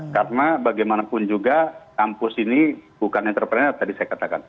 karena bagaimanapun juga kampus ini bukan entrepreneur tadi saya katakan